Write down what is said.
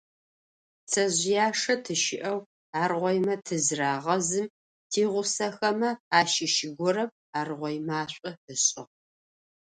Пцэжъыяшэ тыщыӏэу аргъоймэ тызырагъэзым, тигъусэхэмэ ащыщ горэм аргъой машӏо ышӏыгъ.